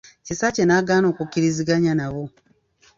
Kisaakye n'agaana okukkiriziganya nabo.